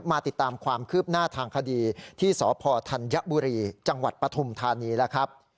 มาติดตามความคืบหน้าทางคดีที่สพธัญบุรีจังหวัดปฐุมธานีแล้วครับ